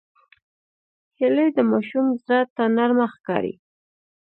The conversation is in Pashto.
هیلۍ د ماشوم زړه ته نرمه ښکاري